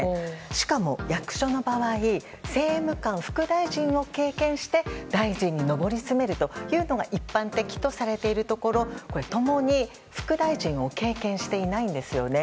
しかも、役所の場合政務官、副大臣を経験して大臣に上り詰めるというのが一般的とされているところ共に、副大臣を経験していないんですよね。